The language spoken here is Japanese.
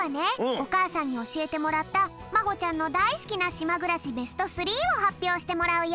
おかあさんにおしえてもらったまほちゃんのだいすきなしまぐらしベストスリーをはっぴょうしてもらうよ。